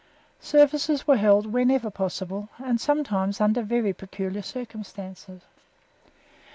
Services were held whenever possible, and sometimes under very peculiar circumstances.